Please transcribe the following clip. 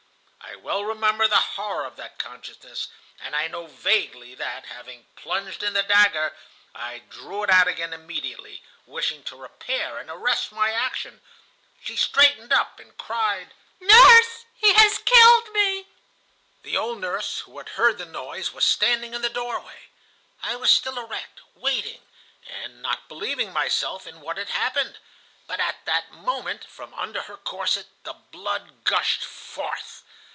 "I well remember the horror of that consciousness and I know vaguely that, having plunged in the dagger, I drew it out again immediately, wishing to repair and arrest my action. She straightened up and cried: "'Nurse, he has killed me!' "The old nurse, who had heard the noise, was standing in the doorway. I was still erect, waiting, and not believing myself in what had happened. But at that moment, from under her corset, the blood gushed forth.